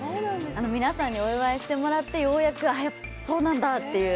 皆さんにお祝いしてもらってようやくそうなんだっていう